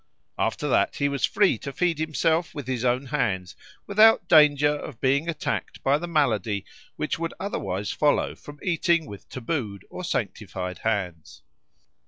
After that he was free to feed himself with his own hands without danger of being attacked by the malady which would otherwise follow from eating with tabooed or sanctified hands.